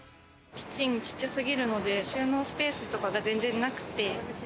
キッチンがちっちゃすぎるので収納スペースが全然なくて。